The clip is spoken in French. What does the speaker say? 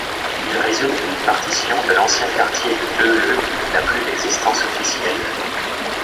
Il résulte d'une partition de l'ancien quartier de Töölö qui n'a plus d’existence officielle.